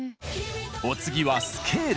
お次は「スケール」。